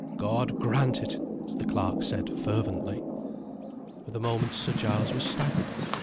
"God grant it!" the clerk said fervently. For the moment, Sir Giles was staggered.